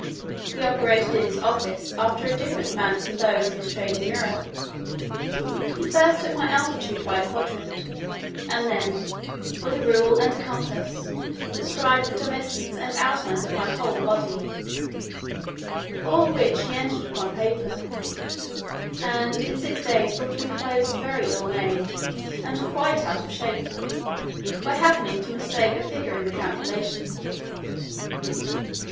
This operator did his office after a different manner from those of his trade in Europe. He first took my altitude by a quadrant, and then, with a rule and compasses, described the dimensions and outlines of my whole body, all which he entered upon paper; and in six days brought my clothes very ill made, and quite out of shape, by happening to mistake a figure in the calculation.